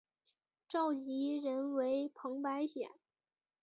召集人为彭百显。